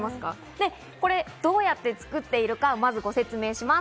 どうやって作っているかを、まずご説明します。